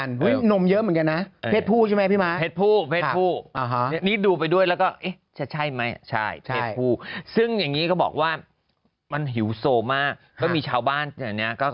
นมเยอะเหมือนกันนะเพศผู้ใช่มั้ยพี่ม๊าเพศผู้เพศผู้